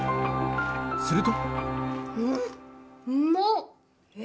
すると。